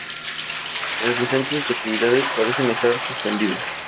En el presente sus actividades parecen estar suspendidas.